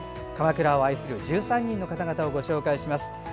鎌倉を愛する１３人の方々をご紹介します。